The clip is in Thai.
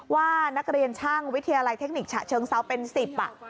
ว่านักเรียนช่างวิทยาลัยเทคนิคฉะเชิงเซาเป็น๑๐อ่ะ